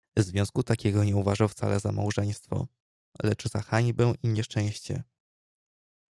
"Związku takiego nie uważał wcale za małżeństwo, lecz za hańbę i nieszczęście."